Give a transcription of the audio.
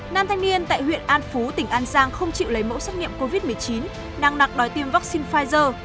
nam thanh niên tại huyện an phú tỉnh an giang không chịu lấy mẫu xét nghiệm covid một mươi chín đang nặng đòi tiêm vaccine pfizer